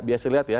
biasa lihat ya